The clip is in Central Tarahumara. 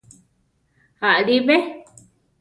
Aʼlí be?